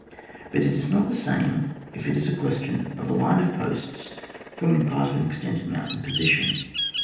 But it is not the same if it is a question of a line of posts, forming part of an ex tended mountain position.